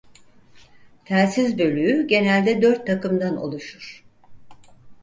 Telsiz bölüğü genelde dört takımdan oluşur.